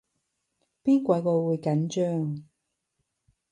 邊鬼個會緊張